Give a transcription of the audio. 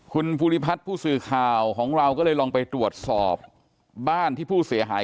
คุณภูริพัฒน์ผู้สื่อข่าวของเราก็เลยลองไปตรวจสอบบ้านที่ผู้เสียหาย